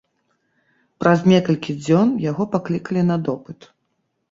Праз некалькі дзён яго паклікалі на допыт.